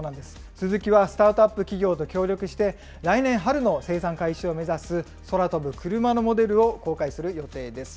スズキはスタートアップ企業と協力して、来年春の生産開始を目指す、空飛ぶクルマのモデルを公開する予定です。